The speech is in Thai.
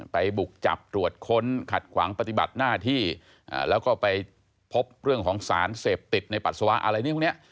บุกจับตรวจค้นขัดขวางปฏิบัติหน้าที่แล้วก็ไปพบเรื่องของสารเสพติดในปัสสาวะอะไรนี่พวกนี้